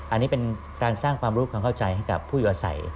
อันนี้เป็นการสร้างความรู้ความเข้าใจให้กับผู้อยู่อาศัย